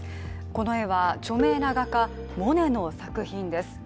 この絵は、著名な画家・モネの作品です。